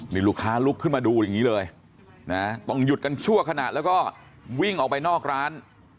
นี่ลูกค้าลุกขึ้นมาดูอย่างนี้เลยนะต้องหยุดกันชั่วขณะแล้วก็วิ่งออกไปนอกร้าน